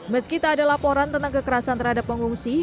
meski tak ada laporan tentang kekerasan terhadap pengungsi